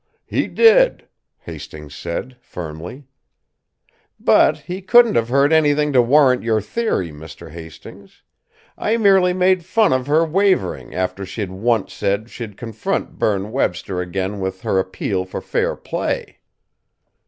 "He did," Hastings said, firmly. "But he couldn't have heard anything to warrant your theory, Mr. Hastings. I merely made fun of her wavering after she'd once said she'd confront Berne Webster again with her appeal for fair play."